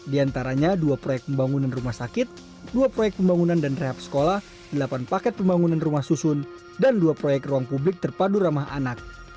di antaranya dua proyek pembangunan rumah sakit dua proyek pembangunan dan rehab sekolah delapan paket pembangunan rumah susun dan dua proyek ruang publik terpadu ramah anak